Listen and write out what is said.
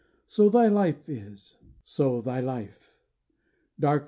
So thy life is, so thy life!